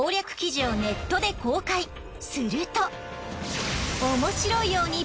すると。